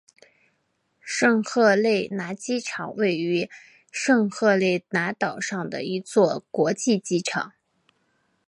圣赫勒拿机场是位于圣赫勒拿岛上的一座国际机场。